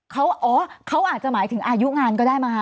เขาอ๋อเขาอาจจะหมายถึงอายุงานก็ได้มั้ย